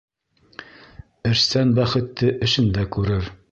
Эшсән бәхетте эшендә күрер